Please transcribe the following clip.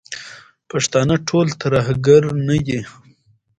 پښتانه ټول ترهګر نه دي.